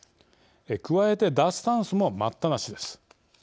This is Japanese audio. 加えて脱炭素も待ったなしです。